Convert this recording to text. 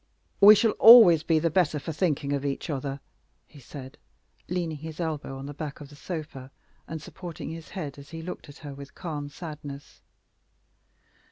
"We shall always be the better for thinking of each other," he said, leaning his elbow on the back of the sofa, and supporting his head as he looked at her with calm sadness.